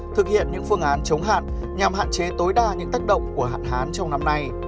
thực hiện những phương án chống hạn nhằm hạn chế tối đa những tác động của hạn hán trong năm nay